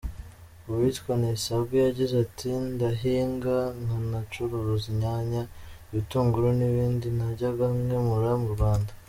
Uwitwa Nisabwe yagize ati “Ndahinga nkanacuruza inyanya, ibitunguru n’ibindi najyaga ngemura mu Rwanda.